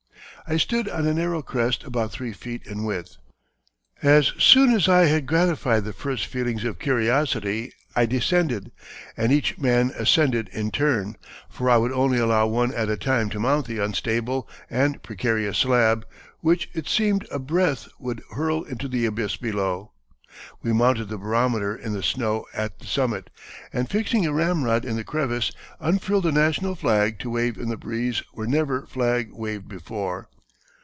I stood on a narrow crest about three feet in width. As soon as I had gratified the first feelings of curiosity I descended, and each man ascended in turn, for I would only allow one at a time to mount the unstable and precarious slab, which it seemed a breath would hurl into the abyss below. We mounted the barometer in the snow at the summit, and fixing a ramrod in the crevice, unfurled the national flag to wave in the breeze where never flag waved before."